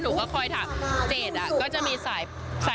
หนูก็คอยถามเจดก็จะมีสาย